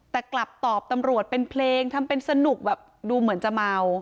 แต่กลับตอบตำรวจเป็นเพลงทำเป็นสนุกแบบดูเหมือนจะเมา